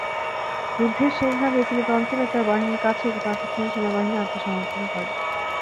যুদ্ধের শেষ ভাগে সিলেট অঞ্চলে তাঁর বাহিনীর কাছেই পাকিস্তানি সেনাবাহিনী আত্মসমর্পণ করে।